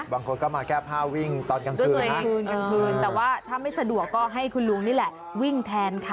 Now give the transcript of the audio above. บางคนก็มาแก้ผ้าวิ่งตอนกลางคืนแต่ว่าถ้าไม่สะดวก็ให้คุณลุงนี่แหละวิ่งแทนค่ะ